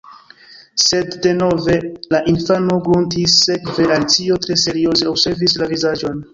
Sed denove la infano gruntis. Sekve Alicio tre serioze observis la vizaĝon.